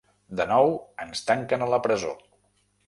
De nou ens tanquen a la presó.